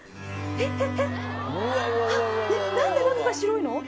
えっなんで中が白いの？